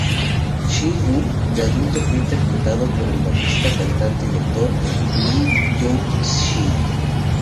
Shin-woo de adulto fue interpretado por el bajista, cantante y actor Lee Jung-shin.